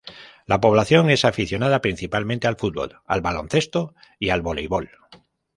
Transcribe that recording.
La población es aficionada principalmente al fútbol, al baloncesto y al voleibol.